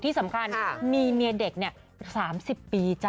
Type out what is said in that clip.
ที่สำคัญมีเมียเด็ก๓๐ปีจ้ะ